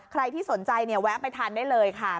ใครที่สนใจเนี่ยแวะไปทานได้เลยค่ะ